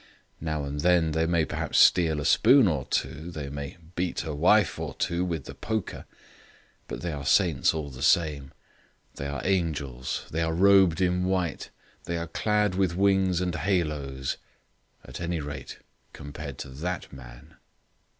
Now and then they may perhaps steal a spoon or two; they may beat a wife or two with the poker. But they are saints all the same; they are angels; they are robed in white; they are clad with wings and haloes at any rate compared to that man."